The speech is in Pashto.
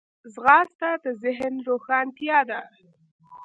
ځغاسته د ذهن روښانتیا ده